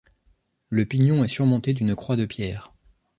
Le pignon est surmonté d'une croix de pierre.